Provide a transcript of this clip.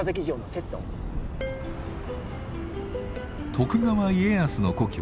徳川家康の故郷